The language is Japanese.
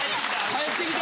返ってきた。